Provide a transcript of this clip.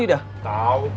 udah udah gitu